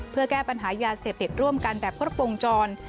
เพื่อแก้ปัญหายาเสพติดร่วมกันแบบครบวงจร